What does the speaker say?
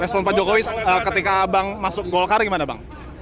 respon pak jokowi ketika abang masuk golkar gimana bang